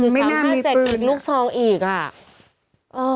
ไม่น่ามีปืนอะหรือสามห้าเจ็ดหรือลูกทองอีกอะไม่น่ามีปืนอะ